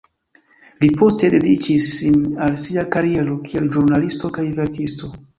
Li poste dediĉis sin al sia kariero kiel ĵurnalisto kaj verkisto.